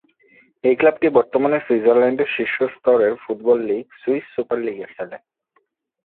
এই ক্লাবটি বর্তমানে সুইজারল্যান্ডের শীর্ষ স্তরের ফুটবল লীগ সুইস সুপার লীগে খেলে।